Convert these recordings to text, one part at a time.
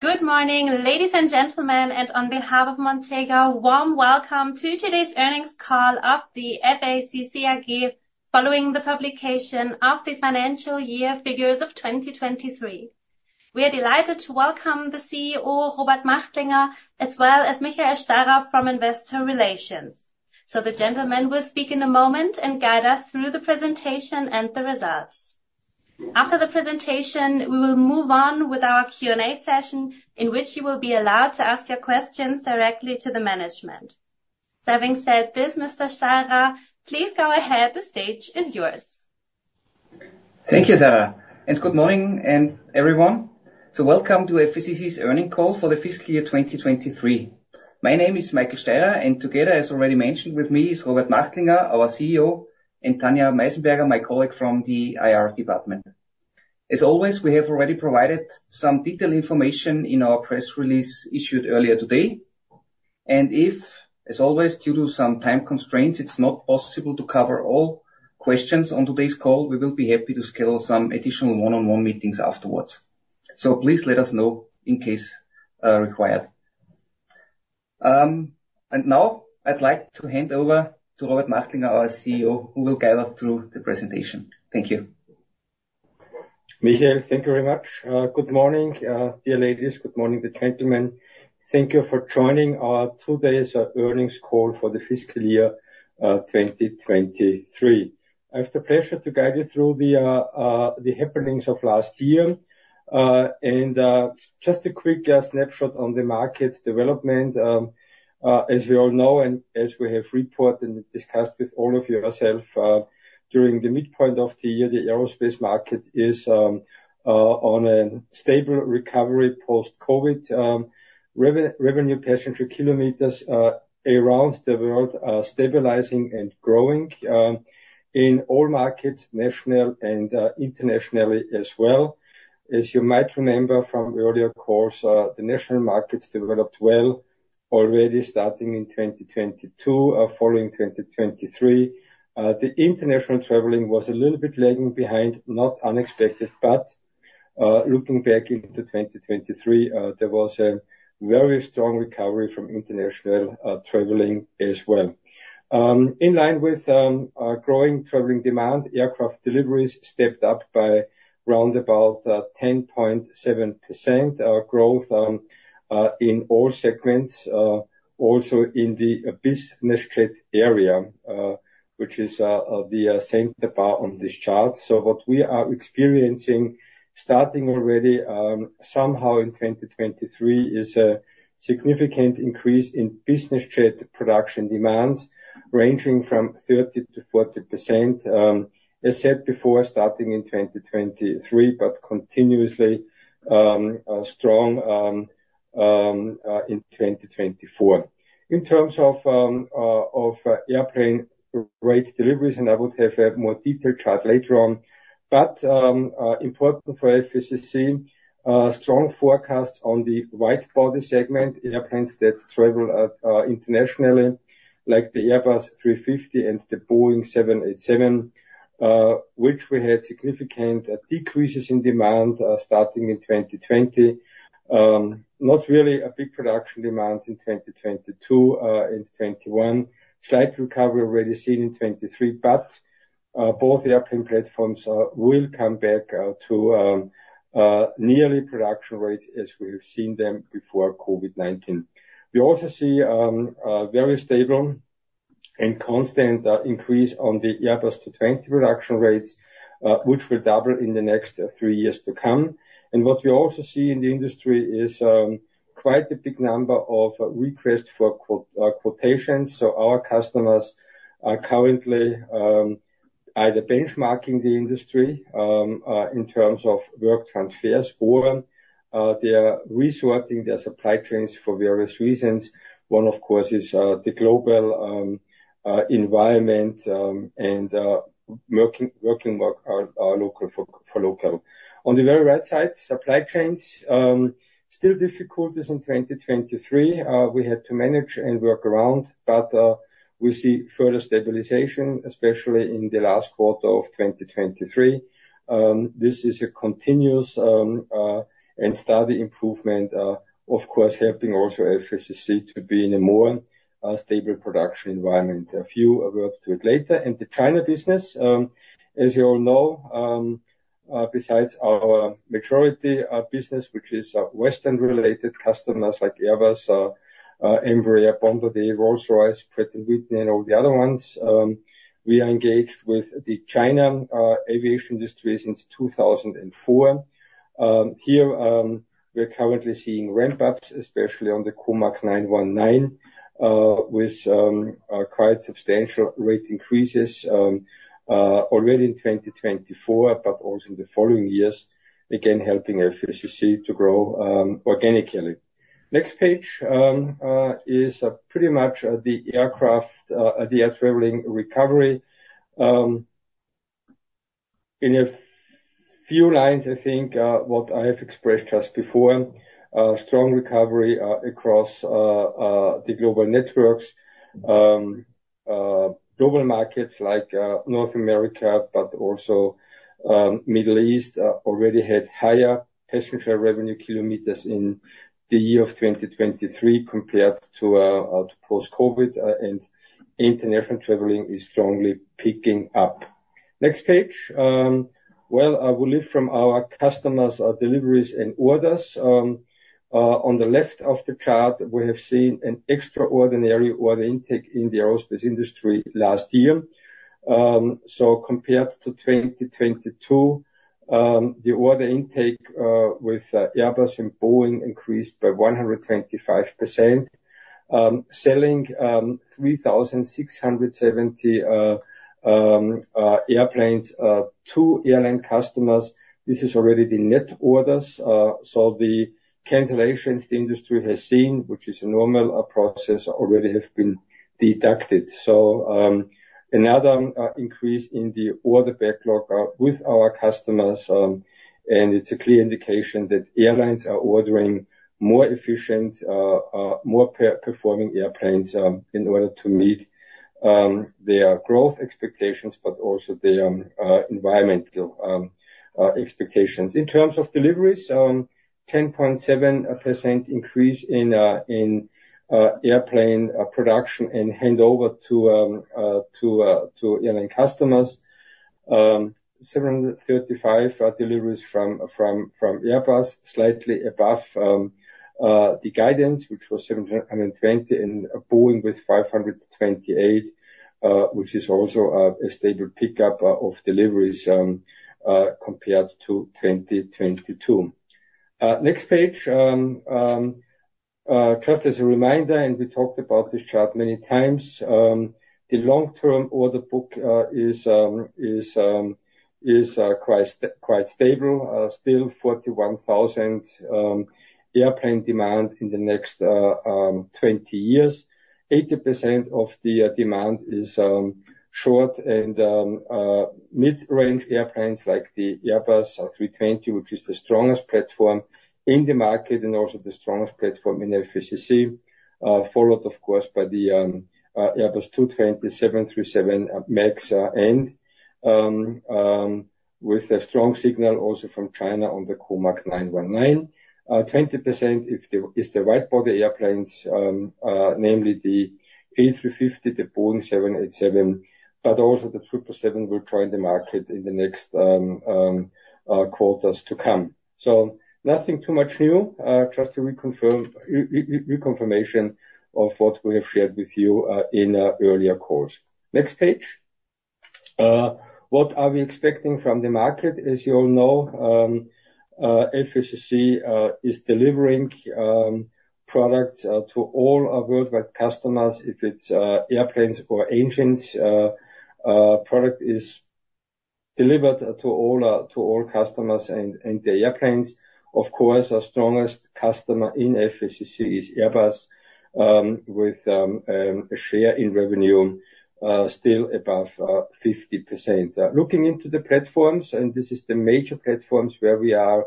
Good morning, ladies and gentlemen, and on behalf of Montega, a warm welcome to today's earnings call of the FACC AG, following the publication of the financial year figures of 2023. We are delighted to welcome the CEO, Robert Machtlinger, as well as Michael Steirer from Investor Relations. The gentlemen will speak in a moment and guide us through the presentation and the results. After the presentation, we will move on with our Q&A session, in which you will be allowed to ask your questions directly to the management. Having said this, Mr. Steirer, please go ahead. The stage is yours. Thank you, Sarah, and good morning, everyone. So welcome to FACC's earnings call for the fiscal year 2023. My name is Michael Steirer, and together, as already mentioned with me, is Robert Machtlinger, our CEO, and Tanja Meisenberger, my colleague from the IR department. As always, we have already provided some detailed information in our press release issued earlier today, and if, as always, due to some time constraints, it's not possible to cover all questions on today's call, we will be happy to schedule some additional one-on-one meetings afterwards. So please let us know in case required. And now I'd like to hand over to Robert Machtlinger, our CEO, who will guide us through the presentation. Thank you. Michael, thank you very much. Good morning, dear ladies and gentlemen. Thank you for joining our today's earnings call for the fiscal year 2023. I have the pleasure to guide you through the happenings of last year. And just a quick snapshot on the market development. As we all know, and as we have reported and discussed with all of you ourselves, during the midpoint of the year, the aerospace market is on a stable recovery post-COVID. Revenue passenger kilometers around the world are stabilizing and growing in all markets, national and internationally as well. As you might remember from earlier course, the national markets developed well already starting in 2022, following 2023. The international traveling was a little bit lagging behind, not unexpected, but looking back into 2023, there was a very strong recovery from international traveling as well. In line with growing traveling demand, aircraft deliveries stepped up by roundabout 10.7% growth in all segments, also in the business jet area, which is the same bar on this chart. So what we are experiencing, starting already somehow in 2023, is a significant increase in business jet production demands ranging from 30%-40%. As said before, starting in 2023, but continuously strong in 2024. In terms of of airplane rate deliveries, and I would have a more detailed chart later on, but, important for FACC, strong forecasts on the wide body segment, airplanes that travel, internationally, like the Airbus A350 and the Boeing 787, which we had significant decreases in demand, starting in 2020. Not really a big production demands in 2022, and 2021. Slight recovery already seen in 2023, but, both airplane platforms, will come back, to, nearly production rates as we've seen them before COVID-19. We also see, a very stable and constant, increase on the Airbus A220 production rates, which will double in the next three years to come. What we also see in the industry is quite a big number of requests for quotations. Our customers are currently either benchmarking the industry in terms of work transfers, or they are resorting their supply chains for various reasons. One, of course, is the global environment, and working more local for local. On the very right side, supply chains, still difficulties in 2023. We had to manage and work around, but we see further stabilization, especially in the last quarter of 2023. This is a continuous and steady improvement, of course, helping also FACC to be in a more stable production environment. A few words to it later. And the China business, as you all know, besides our majority business, which is Western-related customers like Airbus, Embraer, Bombardier, Rolls-Royce, Pratt & Whitney, and all the other ones, we are engaged with the China aviation industry since 2004. Here, we are currently seeing ramp-ups, especially on the COMAC C919, with quite substantial rate increases already in 2024, but also in the following years, again, helping FACC to grow organically. Next page is pretty much the aircraft the air traveling recovery. In a few lines, I think what I have expressed just before, strong recovery across the global networks. Global markets like North America, but also Middle East, already had higher passenger revenue kilometers in the year of 2023 compared to post-COVID, and international traveling is strongly picking up. Next page. Well, I will read from our customers, our deliveries and orders. On the left of the chart, we have seen an extraordinary order intake in the aerospace industry last year. So compared to 2022, the order intake with Airbus and Boeing increased by 125%. Selling 3,670 airplanes to airline customers, this is already the net orders. So the cancellations the industry has seen, which is a normal process, already have been deducted. So, another increase in the order backlog with our customers, and it's a clear indication that airlines are ordering more efficient, more per-performing airplanes in order to meet their growth expectations, but also their environmental expectations. In terms of deliveries, 10.7% increase in airplane production and handover to airline customers. 735 deliveries from Airbus, slightly above the guidance, which was 720, and Boeing with 528, which is also a stable pickup of deliveries compared to 2022. Next page. Just as a reminder, and we talked about this chart many times, the long-term order book is quite stable, still 41,000 airplane demand in the next 20 years. 80% of the demand is short- and mid-range airplanes like the Airbus A320, which is the strongest platform in the market and also the strongest platform in FACC. Followed, of course, by the Airbus A220, 737 MAX, and with a strong signal also from China on the COMAC C919. 20% is the wide-body airplanes, namely the A350, the Boeing 787, but also the 777 will join the market in the next quarters to come. So nothing too much new, just to reconfirm, reconfirmation of what we have shared with you in an earlier course. Next page. What are we expecting from the market? As you all know, FACC is delivering products to all our worldwide customers. If it's airplanes or engines, product is delivered to all customers and the airplanes. Of course, our strongest customer in FACC is Airbus with a share in revenue still above 50%. Looking into the platforms, and this is the major platforms where we are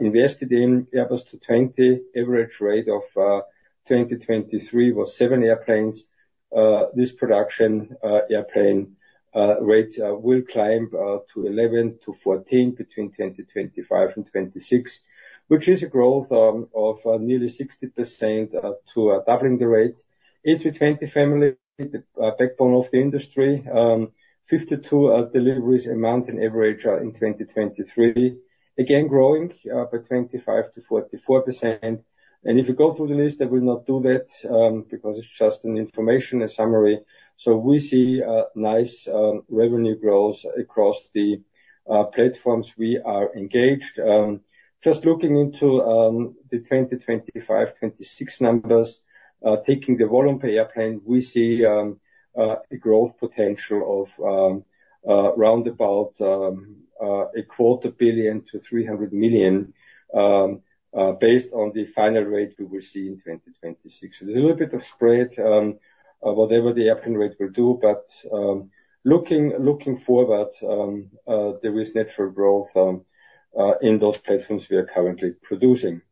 invested in, Airbus A220, average rate of 2023 was seven airplanes. This production airplane rate will climb to 11-14 between 2025 and 2026, which is a growth of nearly 60% to doubling the rate. A320 family backbone of the industry, 52 deliveries a month in average in 2023. Again, growing by 25%-44%. And if you go through the list, I will not do that, because it's just an information, a summary. So we see a nice revenue growth across the platforms we are engaged. Just looking into the 2025, 2026 numbers, taking the volume per airplane, we see a growth potential of round about 250 million-300 million based on the final rate we will see in 2026. There's a little bit of spread, whatever the airplane rate will do, but, looking forward, there is natural growth in those platforms we are currently producing.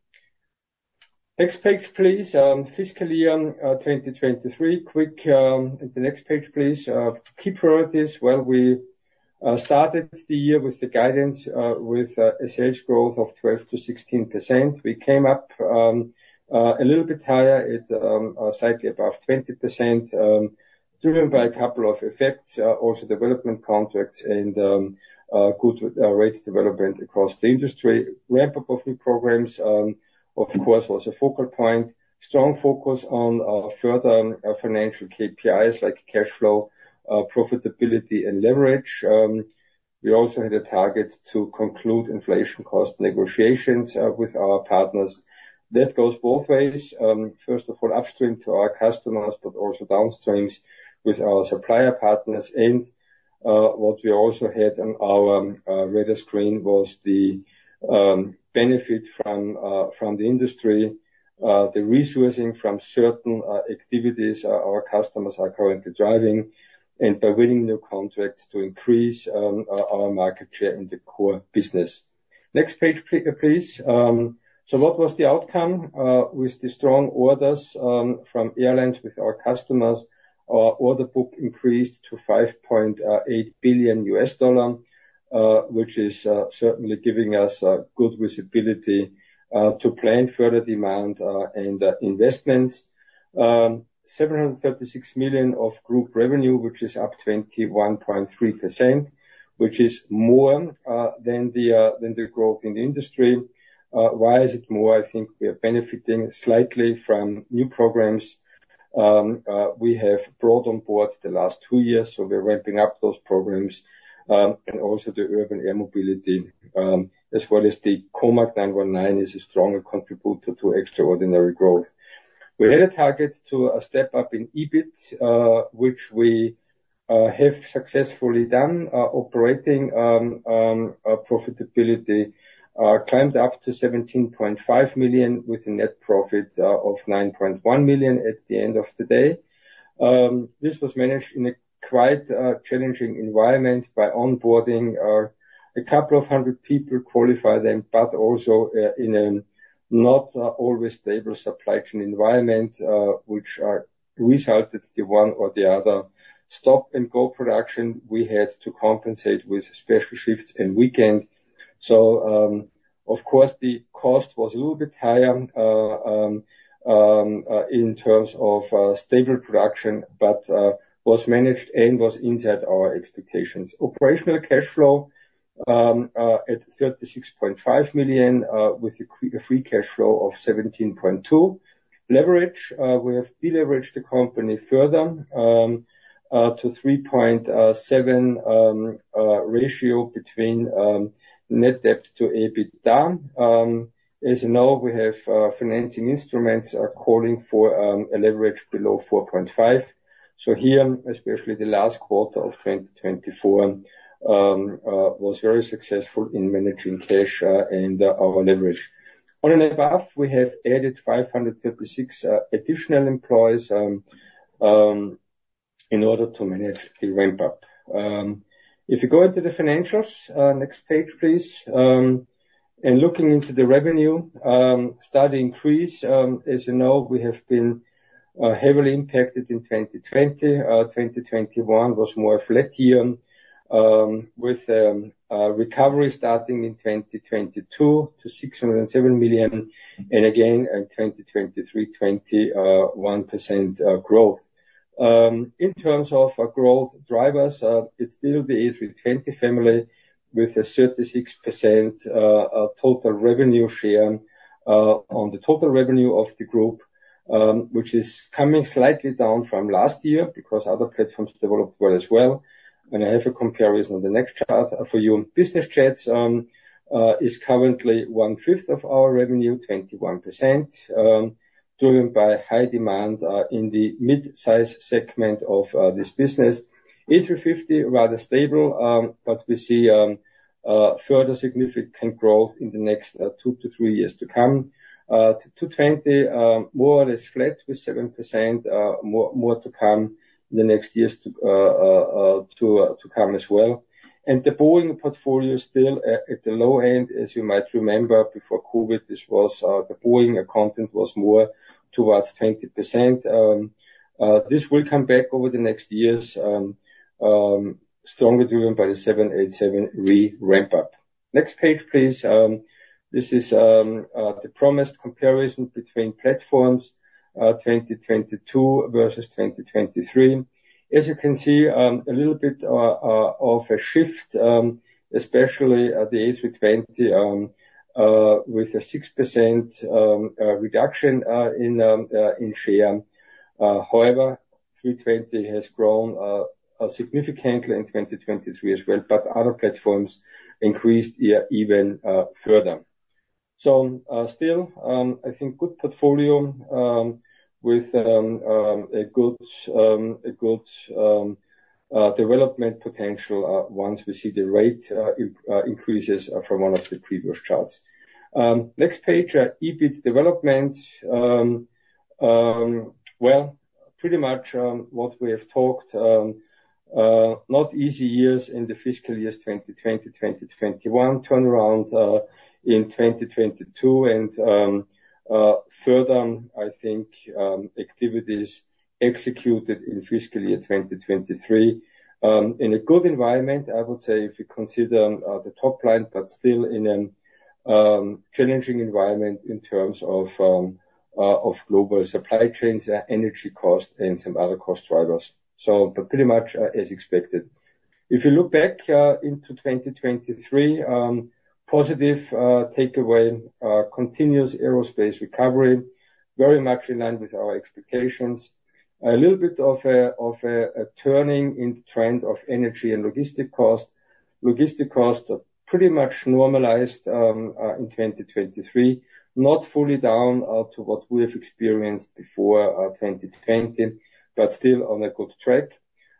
Next page, please. Fiscal year 2023. Quick, the next page, please. Key priorities. Well, we started the year with the guidance, with a sales growth of 12%-16%. We came up a little bit higher at, slightly above 20%, driven by a couple of effects, also development contracts and, good rate development across the industry. Ramp-up of new programs, of course, was a focal point. Strong focus on further financial KPIs like cash flow, profitability and leverage. We also had a target to conclude inflation cost negotiations with our partners. That goes both ways. First of all, upstream to our customers, but also downstreams with our supplier partners. What we also had on our radar screen was the benefit from the industry, the resourcing from certain activities our customers are currently driving, and by winning new contracts to increase our market share in the core business. Next page, please. So what was the outcome? With the strong orders from airlines with our customers, our order book increased to $5.8 billion, which certainly gives us good visibility to plan further demand and investments. 736 million of group revenue, which is up 21.3%, which is more than the growth in the industry. Why is it more? I think we are benefiting slightly from new programs we have brought on board the last two years, so we're ramping up those programs. And also the urban air mobility, as well as the COMAC C919, is a stronger contributor to extraordinary growth. We had a target to a step up in EBIT, which we have successfully done. Our operating profitability climbed up to 17.5 million, with a net profit of 9.1 million at the end of the day. This was managed in a quite challenging environment by onboarding a couple of hundred people, qualify them, but also in a not always stable supply chain environment, which resulted the one or the other. Stop-and-go production, we had to compensate with special shifts and weekends. So, of course, the cost was a little bit higher, in terms of, stable production, but, was managed and was inside our expectations. Operational cash flow at 36.5 million, with a free cash flow of 17.2 million. Leverage, we have deleveraged the company further, to 3.7 ratio between net debt to EBITDA. As you know, we have financing instruments are calling for a leverage below 4.5. So here, especially the last quarter of 2024, was very successful in managing cash, and our leverage. On and above, we have added 536 additional employees in order to manage the ramp up. If you go into the financials, next page, please. In looking into the revenue, steady increase, as you know, we have been heavily impacted in 2020. 2021 was more a flat year, with recovery starting in 2022 to 607 million, and again in 2023, 21% growth. In terms of our growth drivers, it still is with A320 family, with a 36% total revenue share on the total revenue of the group, which is coming slightly down from last year because other platforms developed well as well. And I have a comparison on the next chart for you. Business jets is currently 1/5 of our revenue, 21%, driven by high demand in the mid-size segment of this business. A350, rather stable, but we see further significant growth in the next 2-3 years to come. To A220, more or less flat with 7%, more to come in the next years to come as well. And the Boeing portfolio is still at the low end. As you might remember, before COVID, this was the Boeing content was more towards 20%. This will come back over the next years, strongly driven by the 787 re-ramp up. Next page, please. This is the promised comparison between platforms, 2022 versus 2023. As you can see, a little bit of a shift, especially at the A320, with a 6% reduction in share. However, A320 has grown significantly in 2023 as well, but other platforms increased even further. So, still, I think good portfolio with a good development potential, once we see the rate increases from one of the previous charts. Next page, EBIT development. Well?... Pretty much what we have talked, not easy years in the fiscal years 2020, 2021, turnaround in 2022, and further, I think, activities executed in fiscal year 2023. In a good environment, I would say, if you consider the top line, but still in a challenging environment in terms of global supply chains, energy cost, and some other cost drivers. But pretty much as expected. If you look back into 2023, positive takeaway, continuous aerospace recovery, very much in line with our expectations. A little bit of a turning in the trend of energy and logistic cost. Logistic costs are pretty much normalized in 2023, not fully down to what we have experienced before 2020, but still on a good track.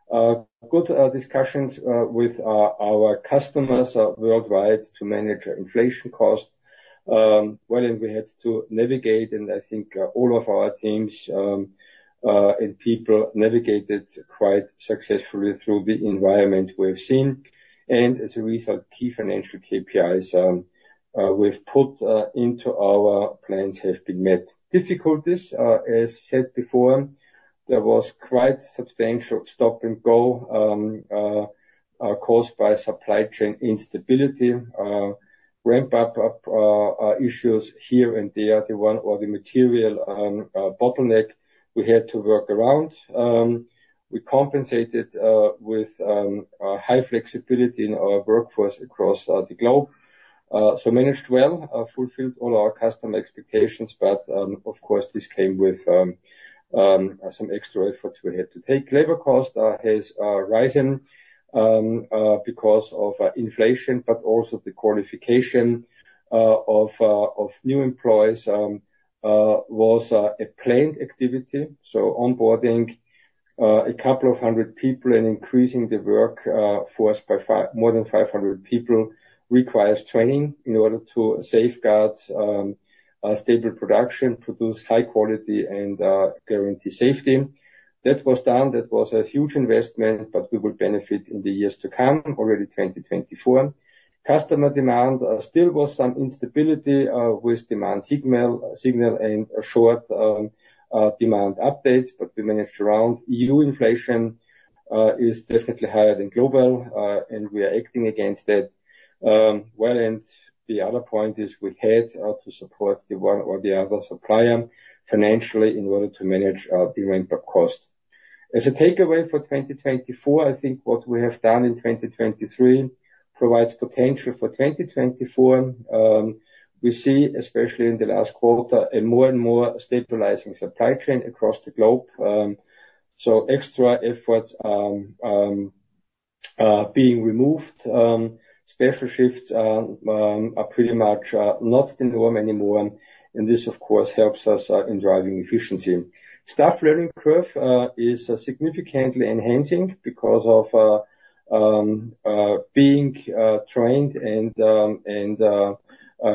Good discussions with our customers worldwide to manage inflation costs. Well, we had to navigate, and I think all of our teams and people navigated quite successfully through the environment we've seen. And as a result, key financial KPIs we've put into our plans have been met. Difficulties, as said before, there was quite substantial stop and go caused by supply chain instability, ramp up issues here and there, the material bottleneck we had to work around. We compensated with high flexibility in our workforce across the globe. So managed well, fulfilled all our customer expectations, but of course, this came with some extra efforts we had to take. Labor cost has risen because of inflation, but also the qualification of new employees was a planned activity. So onboarding a couple of hundred people and increasing the workforce by more than 500 people requires training in order to safeguard stable production, produce high quality, and guarantee safety. That was done. That was a huge investment, but we will benefit in the years to come, already 2024. Customer demand still was some instability with demand signal and short demand updates, but we managed around. EU inflation is definitely higher than global and we are acting against it. Well, and the other point is we had to support the one or the other supplier financially in order to manage the ramp-up cost. As a takeaway for 2024, I think what we have done in 2023 provides potential for 2024. We see, especially in the last quarter, a more and more stabilizing supply chain across the globe. So extra efforts being removed, special shifts are pretty much not the norm anymore, and this, of course, helps us in driving efficiency. Staff learning curve is significantly enhancing because of being trained and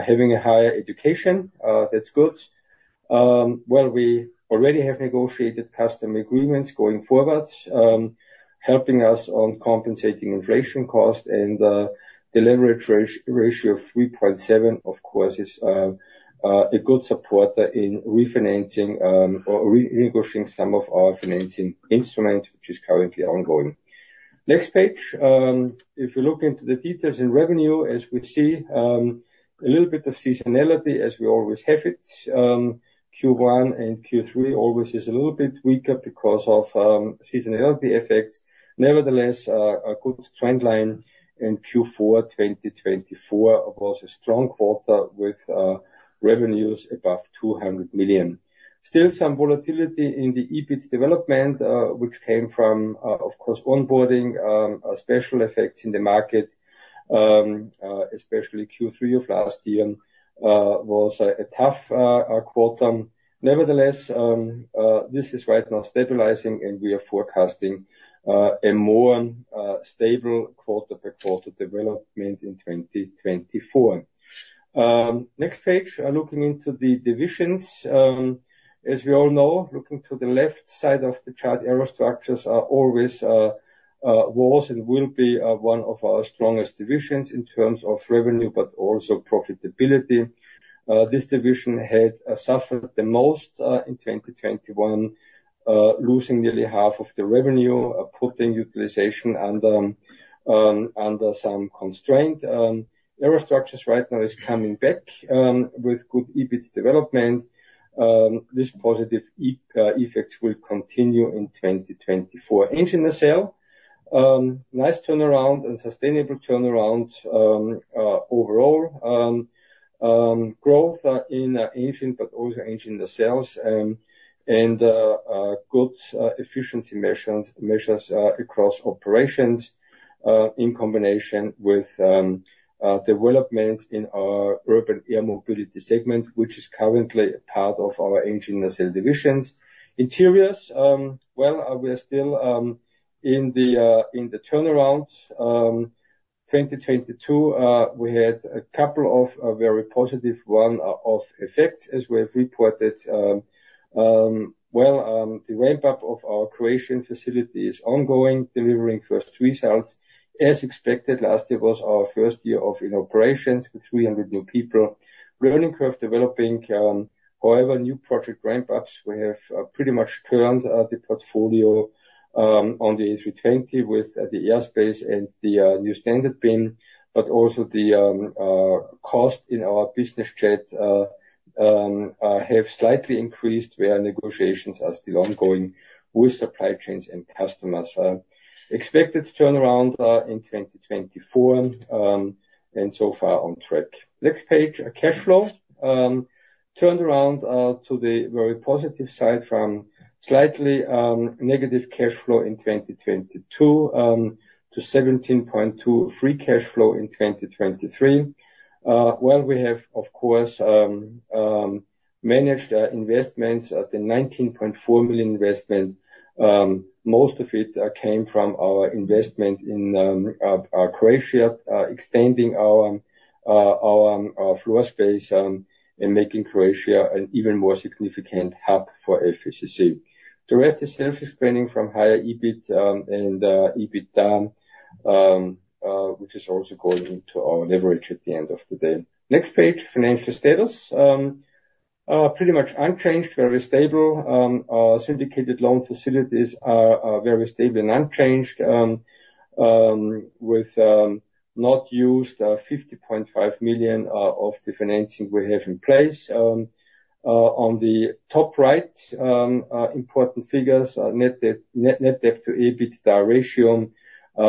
having a higher education. That's good. Well, we already have negotiated customer agreements going forward, helping us on compensating inflation cost and delivery ratio of 3.7, of course, is a good support in refinancing or renegotiating some of our financing instruments, which is currently ongoing. Next page, if you look into the details in revenue, as we see, a little bit of seasonality as we always have it. Q1 and Q3 always is a little bit weaker because of seasonality effects. Nevertheless, a good trend line in Q4 2024, of course, a strong quarter with revenues above 200 million. Still some volatility in the EBIT development, which came from, of course, onboarding special effects in the market, especially Q3 of last year, was a tough quarter. Nevertheless, this is right now stabilizing, and we are forecasting a more stable quarter-by-quarter development in 2024. Next page, looking into the divisions. As we all know, looking to the left side of the chart, aerostructures are always was and will be one of our strongest divisions in terms of revenue, but also profitability. This division had suffered the most in 2021, losing nearly half of the revenue, putting utilization under some constraint. Aerostructures right now is coming back with good EBIT development. This positive effect will continue in 2024. Engines & Nacelles nice turnaround and sustainable turnaround overall. Growth in engines, but also engine sales, and good efficiency measures across operations, in combination with developments in our urban air mobility segment, which is currently part of our Engines & Nacelles divisions. Interiors, well, we are still in the turnaround. 2022, we had a couple of very positive one-off effects, as we have reported. Well, the ramp-up of our Croatian facility is ongoing, delivering first results as expected. Last year was our first year in operations with 300 new people. Learning curve developing, however, new project ramp-ups, we have pretty much turned the portfolio on the A320 with the Airspace and the new standard bin, but also the cost in our business jet have slightly increased, where negotiations are still ongoing with supply chains and customers. Expected turnaround in 2024, and so far on track. Next page, cash flow. Turnaround to the very positive side from slightly negative cash flow in 2022 to 17.2 free cash flow in 2023. Well, we have, of course, managed our investments. At the 19.4 million investment, most of it came from our investment in Croatia, extending our floor space, and making Croatia an even more significant hub for FACC. The rest is self-expanding from higher EBIT and EBITDA, which is also going into our leverage at the end of the day. Next page, financial status. Pretty much unchanged, very stable. Our syndicated loan facilities are very stable and unchanged, with not used 50.5 million of the financing we have in place. On the top right, important figures, net debt to EBITDA ratio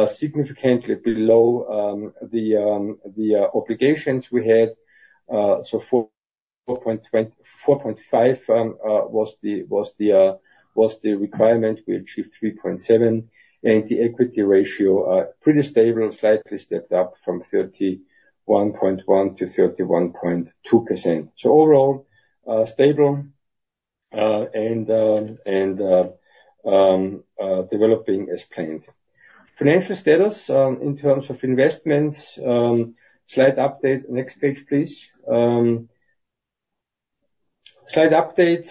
significantly below the obligations we had. So 4.5 was the requirement. We achieved 3.7, and the equity ratio pretty stable, slightly stepped up from 31.1%-31.2%. So overall, stable and developing as planned. Financial status in terms of investments, slight update. Next page, please. Slight update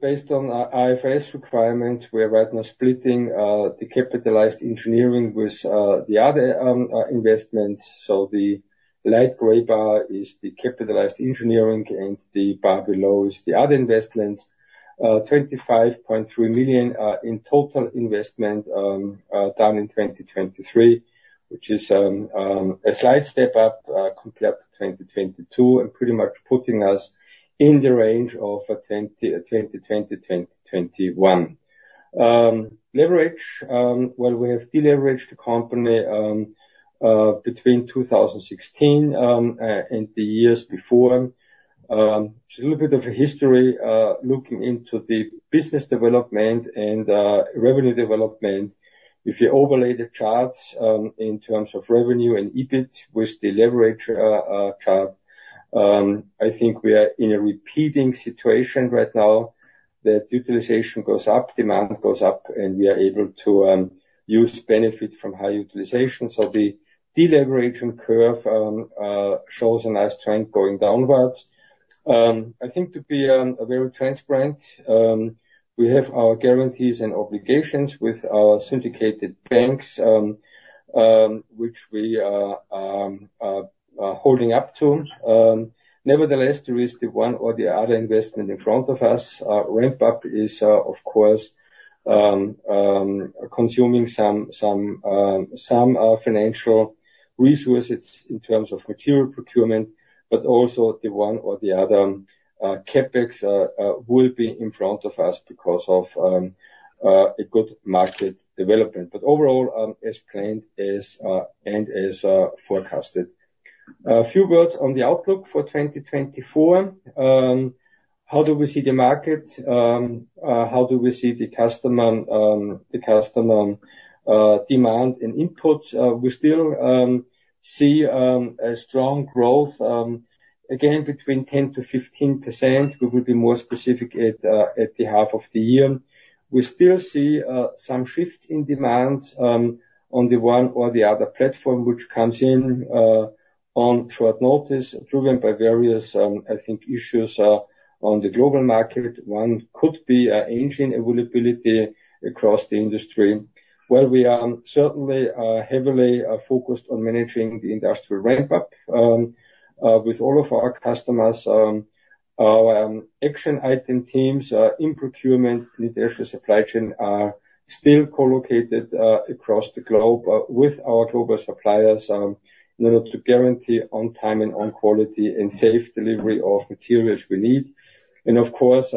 based on our IFRS requirements, we are right now splitting the capitalized engineering with the other investments. So the light gray bar is the capitalized engineering, and the bar below is the other investments. 25.3 million in total investment down in 2023, which is a slight step up compared to 2022, and pretty much putting us in the range of 2020-2021. Leverage, well, we have deleveraged the company between 2016 and the years before. Just a little bit of a history looking into the business development and revenue development. If you overlay the charts in terms of revenue and EBIT with the leverage chart, I think we are in a repeating situation right now that utilization goes up, demand goes up, and we are able to use benefit from high utilization. So the deleverage curve shows a nice trend going downwards. I think to be very transparent, we have our guarantees and obligations with our syndicated banks, which we are holding up to. Nevertheless, there is the one or the other investment in front of us. Our ramp up is, of course, consuming some financial resources in terms of material procurement, but also the one or the other CapEx will be in front of us because of a good market development. But overall, as planned and as forecasted. A few words on the outlook for 2024. How do we see the market? How do we see the customer, the customer demand and inputs? We still see a strong growth again, between 10%-15%. We will be more specific at the half of the year. We still see some shifts in demands on the one or the other platform, which comes in on short notice, driven by various, I think, issues on the global market. One could be engine availability across the industry. Well, we are certainly heavily focused on managing the industrial ramp-up with all of our customers. Our action item teams in procurement with the actual supply chain are still co-located across the globe with our global suppliers in order to guarantee on time and on quality and safe delivery of materials we need. And of course,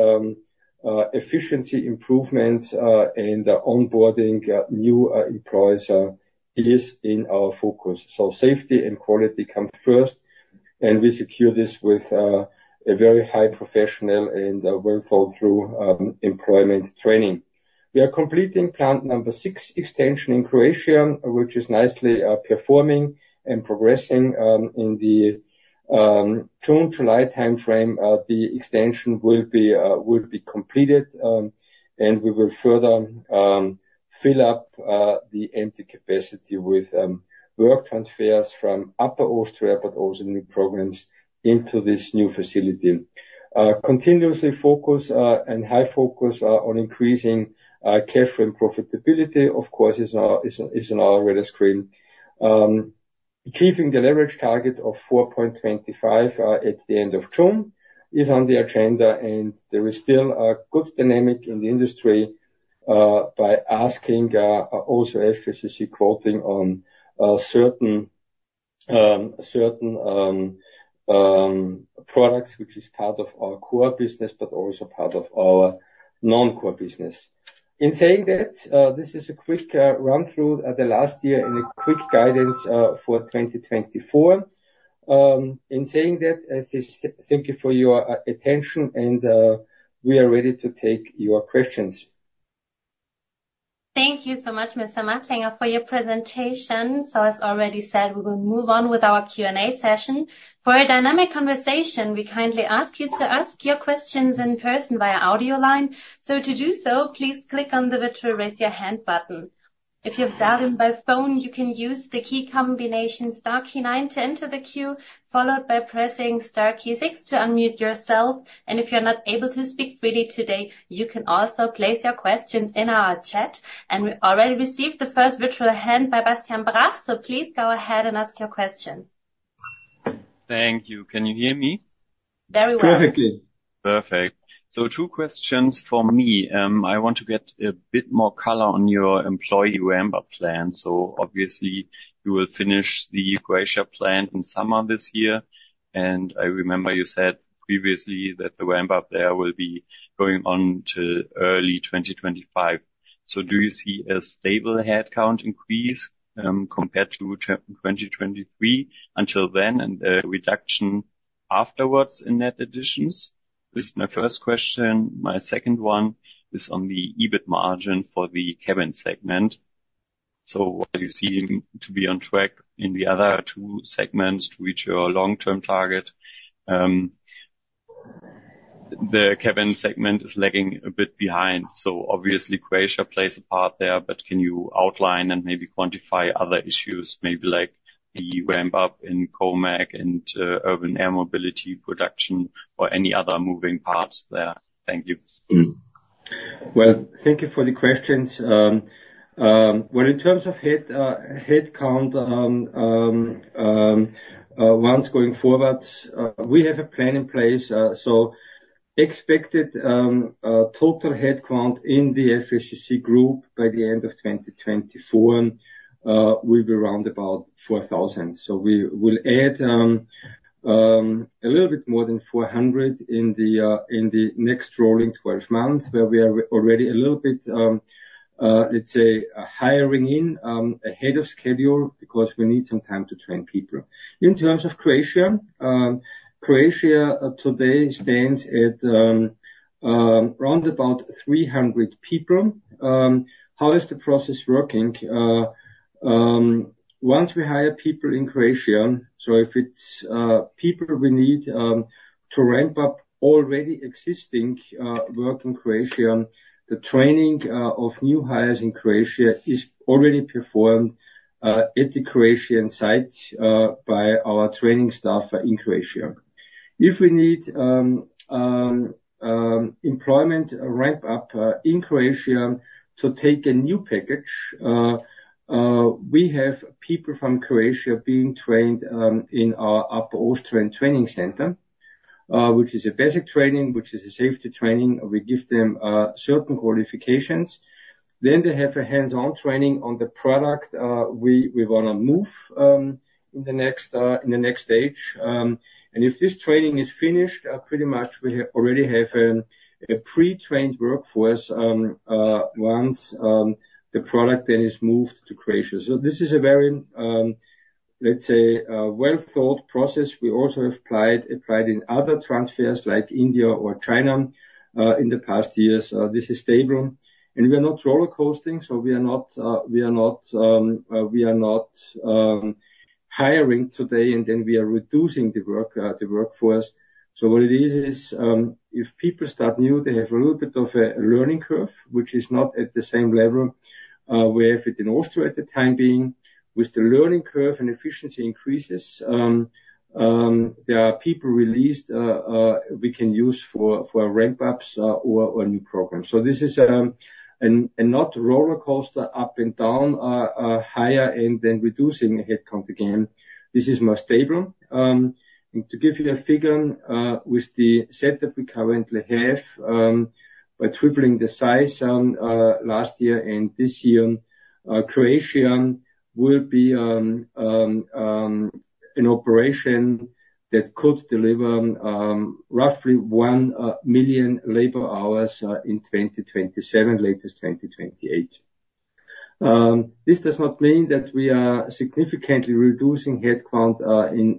efficiency improvements and onboarding new employees is in our focus. So safety and quality come first, and we secure this with a very high professional and well-thought-through employee training. We are completing plant number 6 extension in Croatia, which is nicely performing and progressing in the June, July time frame. The extension will be will be completed, and we will further fill up the empty capacity with work transfers from Upper Austria, but also new programs into this new facility. Continuously focus and high focus on increasing cash flow profitability, of course, is is is on our radar screen. Achieving the leverage target of 4.25 at the end of June is on the agenda, and there is still a good dynamic in the industry, by asking, also FACC quoting on, certain products, which is part of our core business, but also part of our non-core business. In saying that, this is a quick run-through of the last year and a quick guidance for 2024. In saying that, I say thank you for your attention, and we are ready to take your questions. Thank you so much, Mr. Machtlinger, for your presentation. As already said, we will move on with our Q&A session. For a dynamic conversation, we kindly ask you to ask your questions in person via audio line. To do so, please click on the virtual Raise Your Hand button. If you have dialed in by phone, you can use the key combination star key nine to enter the queue, followed by pressing star key six to unmute yourself. If you're not able to speak freely today, you can also place your questions in our chat, and we already received the first virtual hand by Bastian Brach. Please go ahead and ask your questions. Thank you. Can you hear me? Very well. Perfectly. Perfect. So two questions for me. I want to get a bit more color on your employee ramp-up plan. So obviously, you will finish the Croatia plan in summer this year, and I remember you said previously that the ramp-up there will be going on to early 2025. So do you see a stable headcount increase, compared to 2023 until then, and a reduction afterwards in net additions? This is my first question. My second one is on the EBIT margin for the cabin segment. So while you seem to be on track in the other two segments to reach your long-term target, the cabin segment is lagging a bit behind. So obviously, Croatia plays a part there, but can you outline and maybe quantify other issues, maybe like the ramp-up in COMAC and urban air mobility production, or any other moving parts there? Thank you. Well, thank you for the questions. Well, in terms of headcount, once going forward, we have a plan in place. So expected total headcount in the FACC group by the end of 2024 will be around about 4,000. So we will add a little bit more than 400 in the next rolling 12 months, where we are already a little bit, let's say, hiring in ahead of schedule, because we need some time to train people. In terms of Croatia, Croatia today stands at around about 300 people. How is the process working? Once we hire people in Croatia, so if it's people we need to ramp up already existing work in Croatia, the training of new hires in Croatia is already performed at the Croatian site by our training staff in Croatia. If we need employment ramp up in Croatia to take a new package, we have people from Croatia being trained in our Upper Austria training center, which is a basic training, which is a safety training. We give them certain qualifications. Then they have a hands-on training on the product. We wanna move in the next stage. And if this training is finished, pretty much we already have a pre-trained workforce once the product then is moved to Croatia. So this is a very, let's say, well-thought process. We also have applied in other transfers like India or China, in the past years. This is stable, and we are not roller coasting, so we are not hiring today, and then we are reducing the work, the workforce. So what it is, is, if people start new, they have a little bit of a learning curve, which is not at the same level, we have it in Austria at the time being. With the learning curve and efficiency increases, there are people released, we can use for ramp-ups, or new programs. So this is, and not rollercoaster up and down, higher and then reducing headcount again. This is more stable. And to give you a figure, with the set that we currently have, by tripling the size last year and this year, Croatia will be an operation that could deliver roughly 1 million labor hours in 2027, latest 2028. This does not mean that we are significantly reducing headcount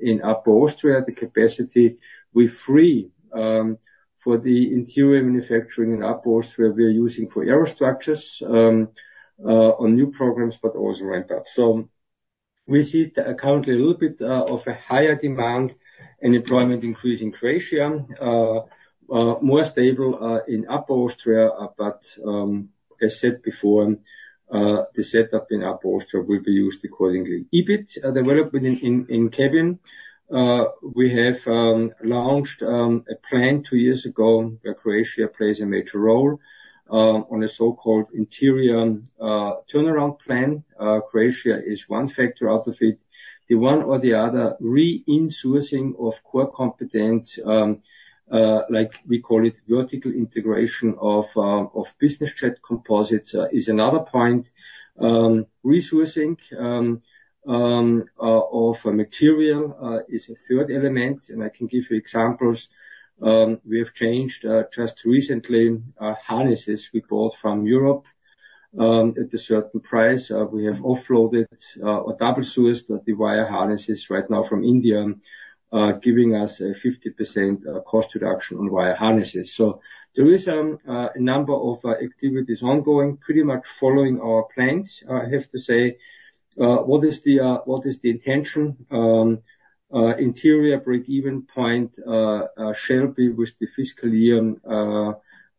in Upper Austria. The capacity we free for the interior manufacturing in Upper Austria, we are using for aerostructures on new programs, but also ramp up. We see currently a little bit of a higher demand and employment increase in Croatia. More stable in Upper Austria, but as said before, the setup in Upper Austria will be used accordingly. EBIT development in cabin, we have launched a plan two years ago, where Croatia plays a major role on a so-called interior turnaround plan. Croatia is one factor out of it. The one or the other re-insourcing of core competence, like we call it, vertical integration of business jet composites, is another point. Re-sourcing of a material is a third element, and I can give you examples. We have changed, just recently, harnesses we bought from Europe at a certain price. We have offshored a double source the wire harnesses right now from India, giving us a 50% cost reduction on wire harnesses. So there is a number of activities ongoing, pretty much following our plans. I have to say, what is the intention? Interior break-even point shall be with the fiscal year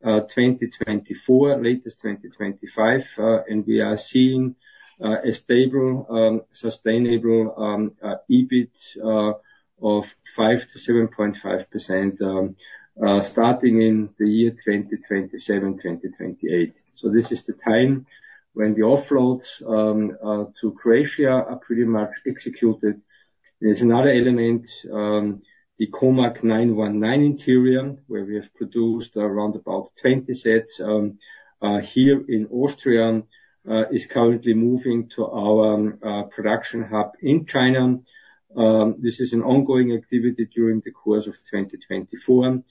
2024, latest 2025. And we are seeing a stable sustainable EBIT of 5%-7.5% starting in the year 2027, 2028. So this is the time when the offloads to Croatia are pretty much executed. There's another element, the COMAC C919 interior, where we have produced around about 20 sets here in Austria, is currently moving to our production hub in China. This is an ongoing activity during the course of 2024,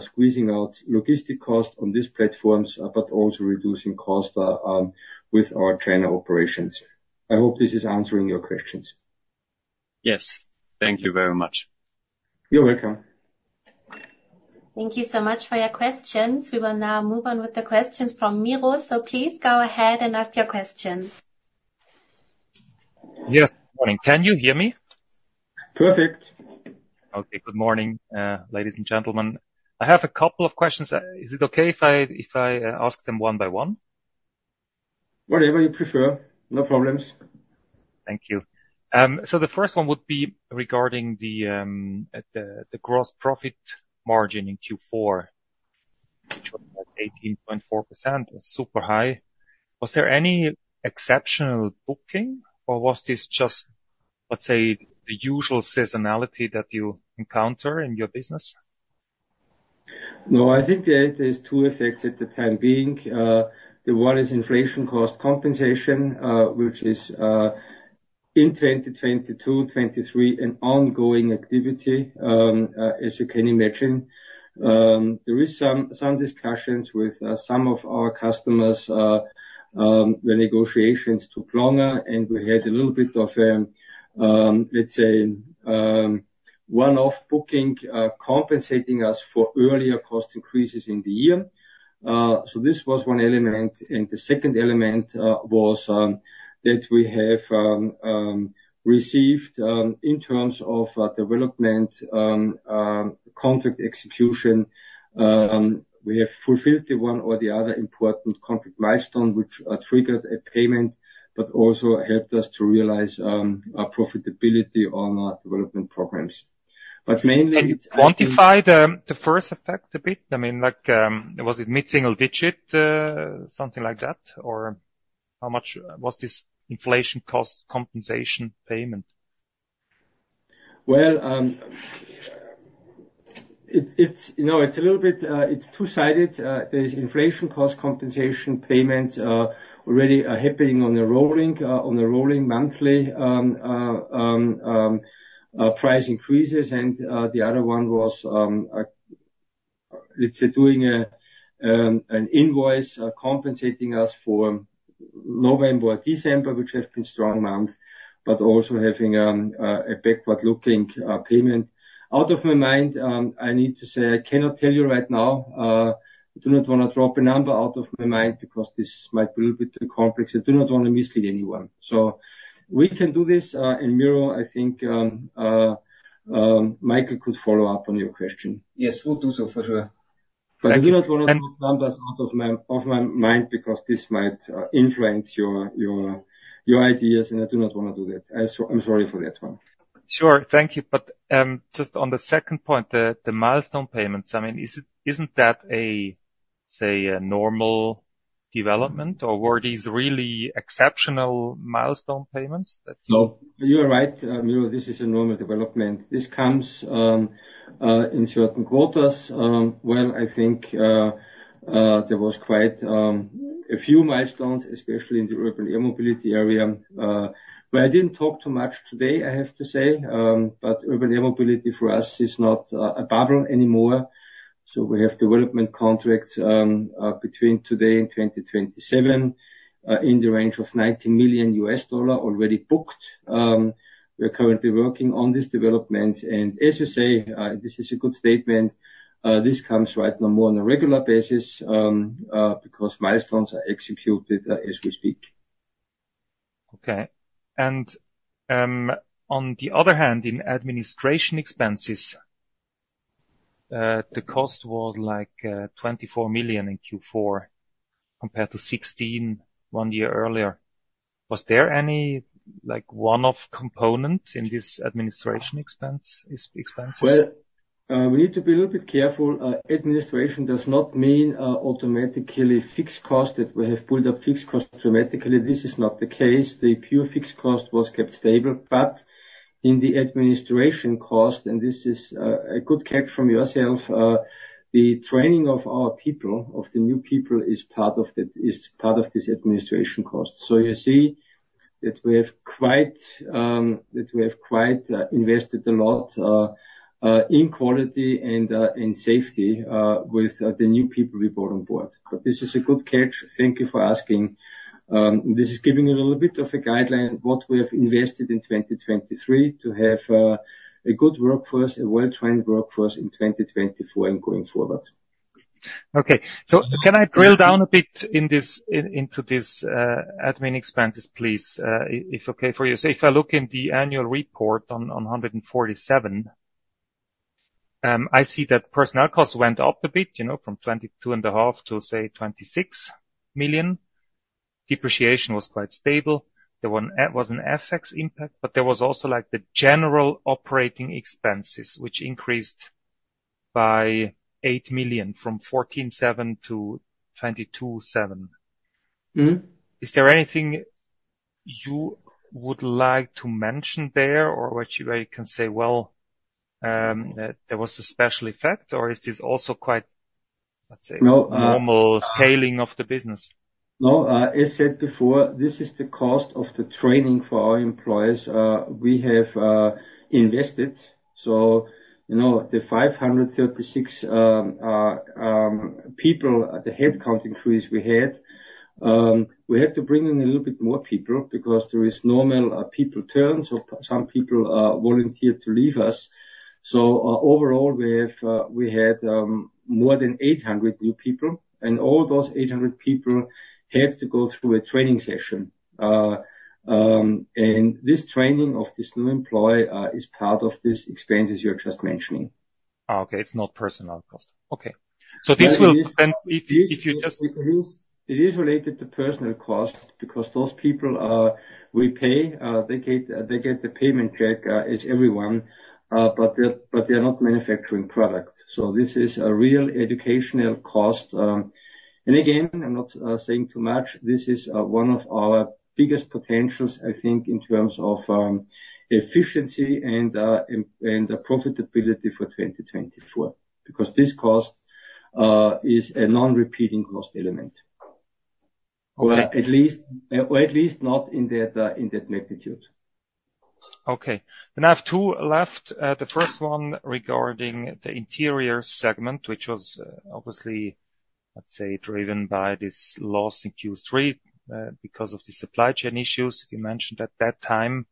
squeezing out logistic costs on these platforms, but also reducing costs with our China operations. I hope this is answering your questions. Yes, thank you very much. You're welcome. Thank you so much for your questions. We will now move on with the questions from Miro. Please go ahead and ask your questions. Yeah. Morning. Can you hear me? Perfect. Okay. Good morning, ladies and gentlemen. I have a couple of questions. Is it okay if I, if I, ask them one by one? Whatever you prefer, no problems. Thank you. So the first one would be regarding the gross profit margin in Q4, which was at 18.4%, was super high. Was there any exceptional booking, or was this just, let's say, the usual seasonality that you encounter in your business? No, I think there's two effects at the time being. The one is inflation cost compensation, which is, in 2022, 2023, an ongoing activity. As you can imagine, there is some discussions with some of our customers, the negotiations took longer, and we had a little bit of, let's say, one-off booking, compensating us for earlier cost increases in the year. So this was one element, and the second element was that we have received in terms of development contract execution. We have fulfilled the one or the other important contract milestone, which triggered a payment, but also helped us to realize our profitability on our development programs. But mainly, it's. Quantify the first effect a bit. I mean, like, was it mid-single digit, something like that, or how much was this inflation cost compensation payment? Well, it's, you know, it's a little bit, it's two-sided. There's inflation cost compensation payments, already happening on a rolling monthly price increases. And, the other one was, let's say, doing an invoice compensating us for November, December, which have been strong months, but also having a backward-looking payment. Out of my mind, I need to say, I cannot tell you right now. I do not wanna drop a number out of my mind because this might be a little bit complex. I do not wanna mislead anyone. So we can do this, and Miro, I think, Michael could follow up on your question. Yes. Will do so for sure. But I do not wanna put numbers out of my, of my mind because this might influence your, your, your ideas, and I do not wanna do that. I'm sorry for that one. Sure. Thank you. But just on the second point, the milestone payments, I mean, isn't that a, say, a normal development, or were these really exceptional milestone payments that. No, you are right, Miro, this is a normal development. This comes in certain quarters when I think there was quite a few milestones, especially in the urban air mobility area, where I didn't talk too much today, I have to say, but urban air mobility for us is not a bubble anymore. So we have development contracts between today and 2027 in the range of $90 million already booked. We are currently working on this development, and as you say, this is a good statement. This comes right now more on a regular basis because milestones are executed as we speak. Okay. And, on the other hand, in administration expenses, the cost was like, 24 million in Q4, compared to 16 million one year earlier. Was there any, like, one-off component in this administration expenses? Well, we need to be a little bit careful. Administration does not mean automatically fixed cost, that we have pulled up fixed cost dramatically. This is not the case. The pure fixed cost was kept stable, but in the administration cost, and this is a good catch from yourself, the training of our people, of the new people, is part of that, is part of this administration cost. So you see that we have quite, that we have quite, invested a lot, in quality and, in safety, with, the new people we brought on board. But this is a good catch. Thank you for asking. This is giving you a little bit of a guideline what we have invested in 2023 to have, a good workforce, a well-trained workforce in 2024 and going forward. Okay. So can I drill down a bit into this admin expenses, please? If okay for you. So if I look in the annual report on 147, I see that personnel costs went up a bit, you know, from 22.5 million to, say, 26 million. Depreciation was quite stable. There was an FX impact, but there was also, like, the general operating expenses, which increased by 8 million, from 14.7 million to 22.7 million. Mm-hmm. Is there anything you would like to mention there, or what you may can say, well, there was a special effect, or is this also quite, let's say- No, uh- normal scaling of the business? No, as said before, this is the cost of the training for our employees. We have invested, so you know, the 536 people, the headcount increase we had, we had to bring in a little bit more people, because there is normal people churn, so some people volunteered to leave us. So overall, we have, we had more than 800 new people, and all those 800 people had to go through a training session. And this training of this new employee is part of this expenses you're just mentioning. Oh, okay. It's not personnel cost. Okay. Yeah, it is. So this will then, if you just- It is related to personnel cost, because those people we pay, they get the paycheck as everyone, but they're not manufacturing products. So this is a real educational cost. And again, I'm not saying too much. This is one of our biggest potentials, I think, in terms of efficiency and profitability for 2024. Because this cost is a non-repeating cost element. Okay. Or at least not in that magnitude. Okay. And I have two left. The first one regarding the interior segment, which was, obviously, let's say, driven by this loss in Q3, because of the supply chain issues you mentioned at that time.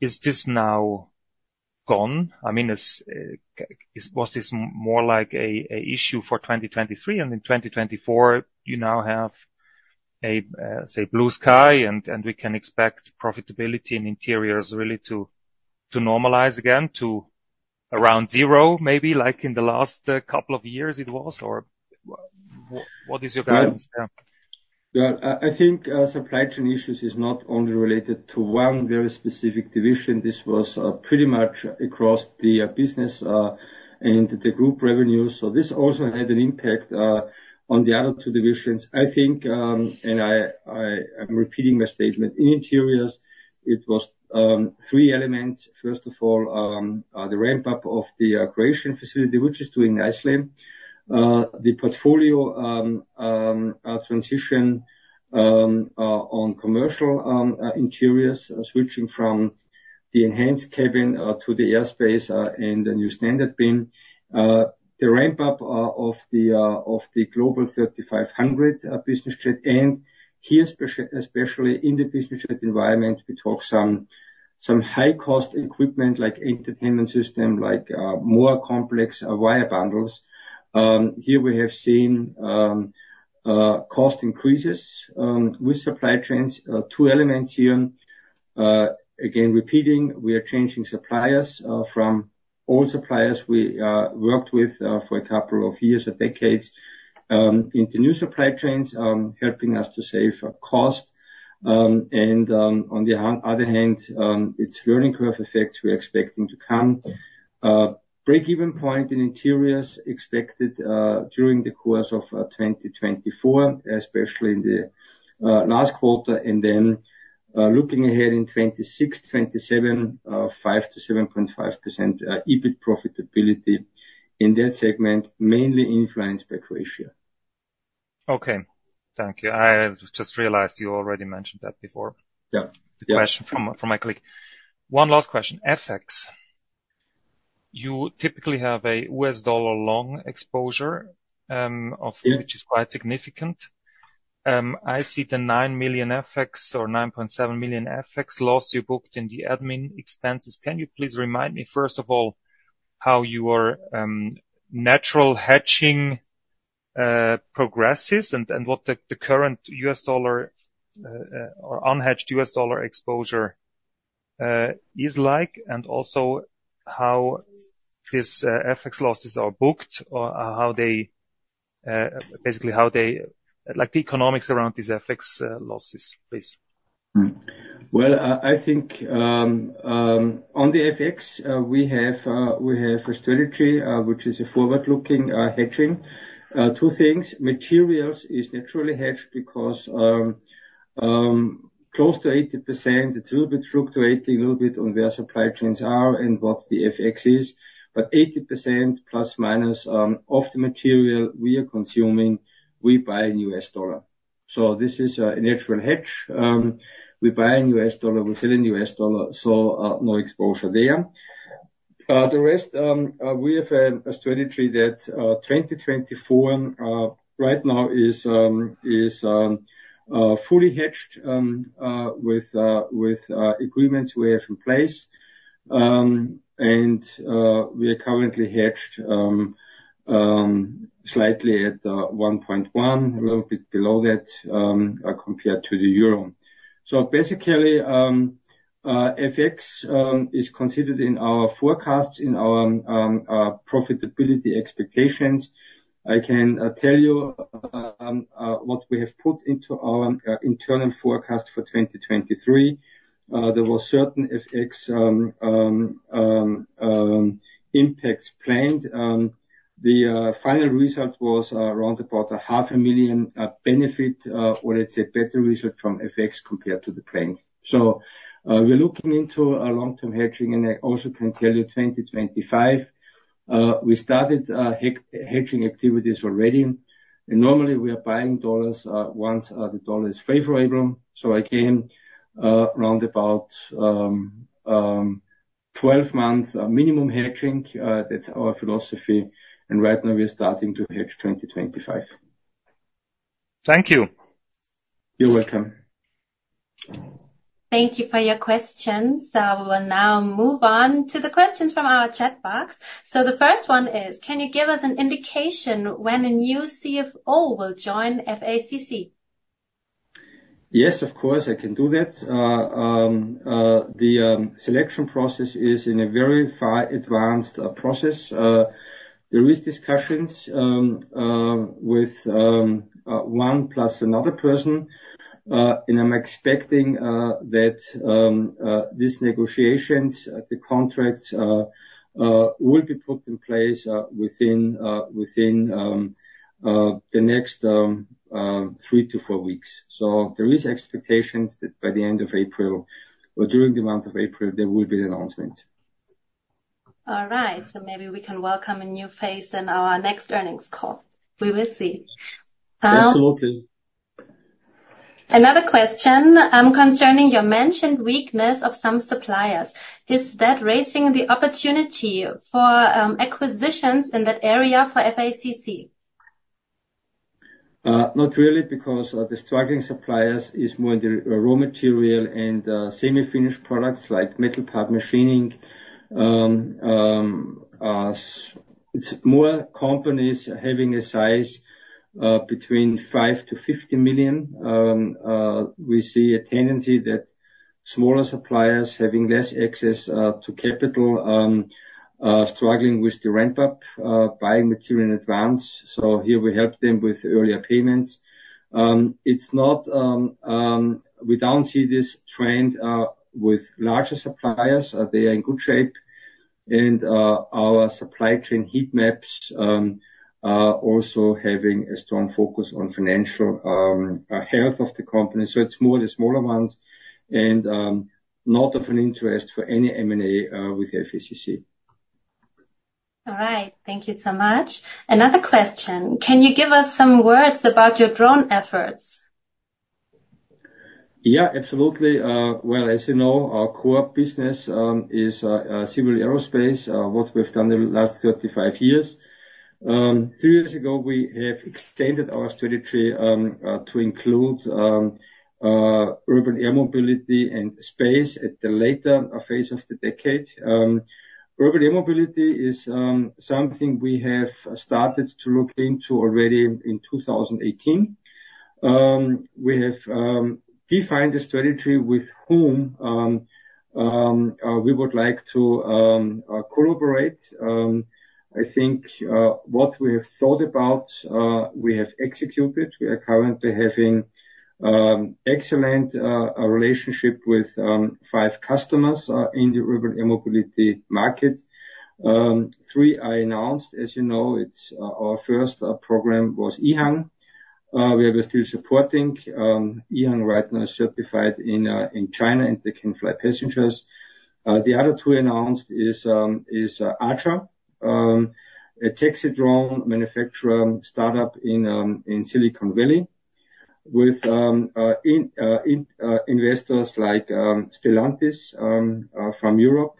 Is this now gone? I mean, is, was this more like a issue for 2023, and in 2024, you now have a, say, blue sky, and we can expect profitability in interiors really to normalize again, to around zero, maybe like in the last couple of years it was, or what is your guidance? Well, I think supply chain issues is not only related to one very specific division. This was pretty much across the business and the group revenue. So this also had an impact on the other two divisions. I think, and I am repeating my statement, in interiors, it was three elements. First of all, the ramp-up of the Croatian facility, which is doing nicely. The portfolio transition on commercial interiors, switching from the enhanced cabin to the Airspace and the new Standard Bin. The ramp-up of the Global 3500 business jet, and here, especially in the business jet environment, we talk some high-cost equipment, like entertainment system, like more complex wire bundles. Here we have seen cost increases with supply chains. Two elements here, again, repeating, we are changing suppliers from old suppliers we worked with for a couple of years and decades into new supply chains helping us to save cost. And on the other hand, it's learning curve effects we're expecting to come. Break-even point in interiors expected during the course of 2024, especially in the last quarter, and then looking ahead in 2026, 2027, 5%-7.5% EBIT profitability in that segment, mainly influenced by Croatia. Okay. Thank you. I just realized you already mentioned that before. Yeah. Yeah. The question from my colleague. One last question: FX. You typically have a U.S. dollar long exposure of- Yeah... which is quite significant. I see the 9 million FX, or 9.7 million FX loss you booked in the admin expenses. Can you please remind me, first of all, how your natural hedging progresses, and what the current U.S. dollar or unhedged U.S. dollar exposure is like, and also how these FX losses are booked, or basically, like, the economics around these FX losses, please. Hmm. Well, I think on the FX we have a strategy which is a forward-looking hedging. Two things: materials is naturally hedged because close to 80%, it will be fluctuating a little bit on where supply chains are and what the FX is. But 80%± of the material we are consuming, we buy in U.S. dollar. So this is a natural hedge. We buy in U.S. dollar, we sell in U.S. dollar, so no exposure there. The rest we have a strategy that 2024 right now is fully hedged with agreements we have in place. We are currently hedged slightly at 1.1, a little bit below that, compared to the euro. So basically, FX is considered in our forecasts, in our profitability expectations. I can tell you what we have put into our internal forecast for 2023. There were certain FX impacts planned. The final result was around about 0.5 million benefit, or let's say better result from FX compared to the planned. So, we're looking into a long-term hedging, and I also can tell you, 2025, we started hedging activities already. And normally, we are buying dollars once the dollar is favorable. So again, around about 12 months minimum hedging. That's our philosophy, and right now we're starting to hedge 2025. Thank you. You're welcome. Thank you for your questions. We'll now move on to the questions from our chat box. So the first one is: Can you give us an indication when a new CFO will join FACC? Yes, of course, I can do that. The selection process is in a very far advanced process. There is discussions with one plus another person. And I'm expecting that these negotiations, the contracts, will be put in place within within the next 3-4 weeks. So there is expectations that by the end of April or during the month of April, there will be an announcement. All right, maybe we can welcome a new face in our next earnings call. We will see. Absolutely. Another question, concerning your mentioned weakness of some suppliers. Is that raising the opportunity for, acquisitions in that area for FACC? Not really, because the struggling suppliers is more the raw material and semi-finished products like metal part machining. It's more companies having a size between 5 million-50 million. We see a tendency that smaller suppliers having less access to capital, struggling with the ramp up, buying material in advance, so here we help them with earlier payments. It's not... We don't see this trend with larger suppliers. They are in good shape, and our supply chain heat maps are also having a strong focus on financial health of the company. So it's more the smaller ones and not of an interest for any M&A with FACC. All right. Thank you so much. Another question: can you give us some words about your drone efforts? Yeah, absolutely. Well, as you know, our core business is civil aerospace, what we've done in the last 35 years. Two years ago, we have extended our strategy to include urban air mobility and space at the later phase of the decade. Urban air mobility is something we have started to look into already in 2018. We have defined a strategy with whom we would like to cooperate. I think what we have thought about, we have executed. We are currently having excellent relationship with five customers in the urban air mobility market. Three I announced. As you know, it's our first program was EHang. We are still supporting EHang, right now certified in China, and they can fly passengers. The other two announced is Archer, a taxi drone manufacturer startup in Silicon Valley, with investors like Stellantis from Europe,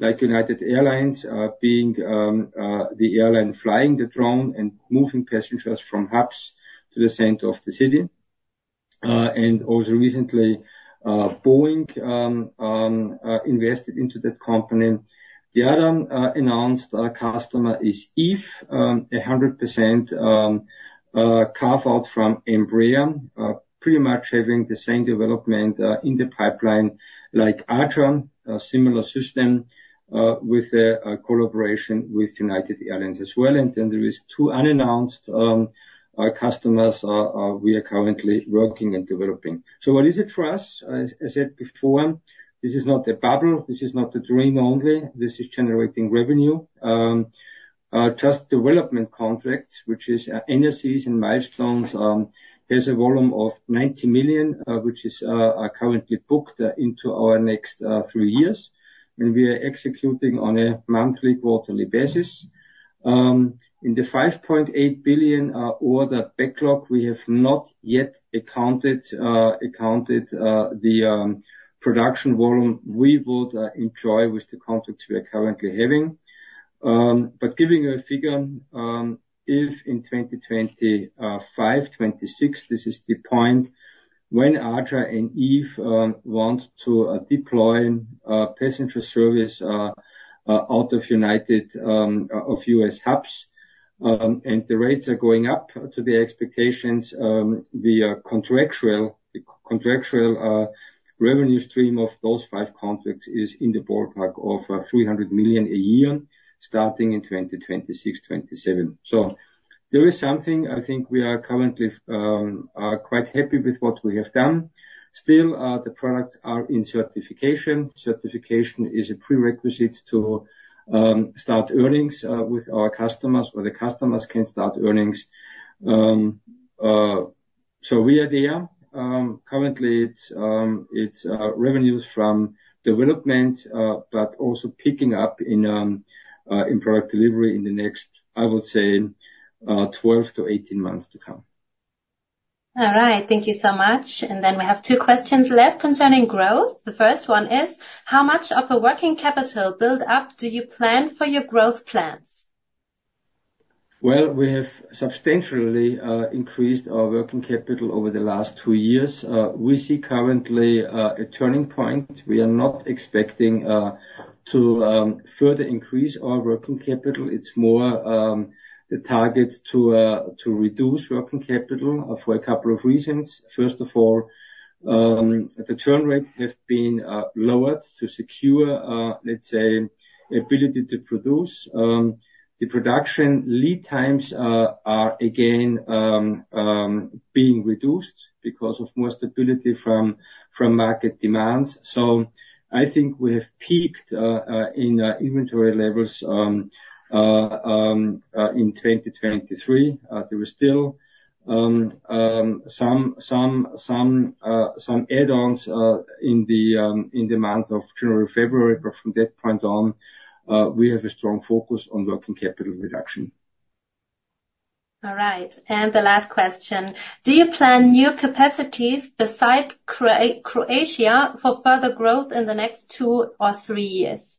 like United Airlines, being the airline flying the drone and moving passengers from hubs to the center of the city and also recently, Boeing invested into that company. The other announced customer is Eve, 100% carve out from Embraer, pretty much having the same development in the pipeline like Archer, a similar system, with a collaboration with United Airlines as well. Then there are two unannounced customers we are currently working and developing. So what is it for us? As I said before, this is not a bubble, this is not a dream only. This is generating revenue. Just development contracts, which is NREs and milestones. There's a volume of 90 million which are currently booked into our next 3 years, and we are executing on a monthly, quarterly basis. In the 5.8 billion order backlog, we have not yet accounted the production volume we would enjoy with the contracts we are currently having. But giving a figure, if in 2025, 2026, this is the point when Archer and Eve want to deploy passenger service out of United U.S. hubs. And the rates are going up to the expectations, the contractual revenue stream of those five contracts is in the ballpark of $300 million a year, starting in 2026, 2027. So there is something I think we are currently quite happy with what we have done. Still, the products are in certification. Certification is a prerequisite to start earnings with our customers, or the customers can start earnings. So we are there. Currently, it's revenues from development, but also picking up in product delivery in the next, I would say, 12-18 months to come. All right. Thank you so much. Then we have two questions left concerning growth. The first one is: How much of a working capital build-up do you plan for your growth plans? Well, we have substantially increased our working capital over the last two years. We see currently a turning point. We are not expecting to further increase our working capital. It's more the target to reduce working capital for a couple of reasons. First of all, the churn rates have been lowered to secure, let's say, ability to produce. The production lead times are again being reduced because of more stability from market demands. So I think we have peaked in inventory levels in 2023. There is still some add-ons in the month of January, February, but from that point on, we have a strong focus on working capital reduction. All right, and the last question: Do you plan new capacities beside Croatia for further growth in the next two or three years?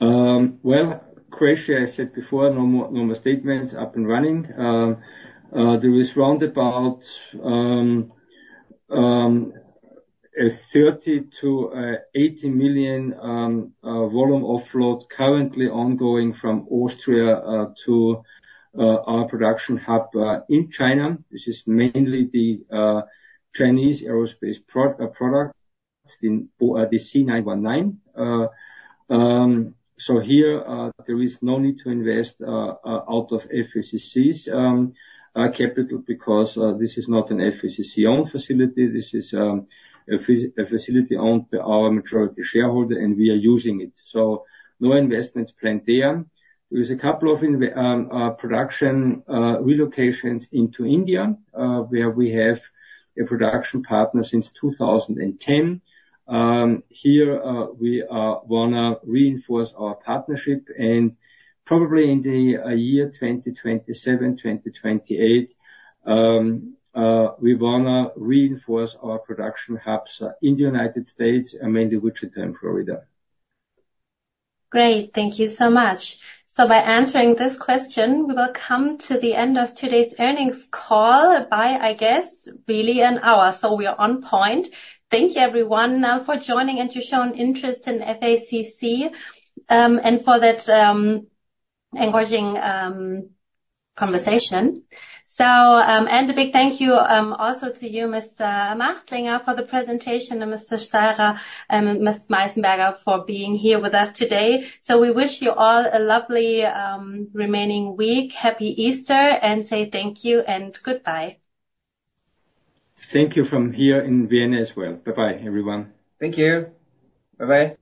Well, Croatia, I said before, no more investments up and running. There is round about 30 million-80 million volume offload currently ongoing from Austria to our production hub in China, which is mainly the Chinese aerospace product, the C919. So here there is no need to invest out of FACC's capital because this is not an FACC-owned facility. This is a facility owned by our majority shareholder, and we are using it. So no investments planned there. There is a couple of production relocations into India, where we have a production partner since 2010. Here, we wanna reinforce our partnership and probably in the year 2027, 2028, we wanna reinforce our production hubs in the United States, mainly Wichita and Florida. Great. Thank you so much. So by answering this question, we will come to the end of today's earnings call by, I guess, really an hour. So we are on point. Thank you everyone, for joining and to showing interest in FACC, and for that, engaging, conversation. So, and a big thank you, also to you, Mr. Machtlinger, for the presentation, and Mr. Steirer and Mr. Machtlinger for being here with us today. So we wish you all a lovely, remaining week. Happy Easter, and say thank you and goodbye. Thank you from here in Vienna as well. Bye-bye, everyone. Thank you. Bye-bye.